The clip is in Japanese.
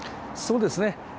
そうですね。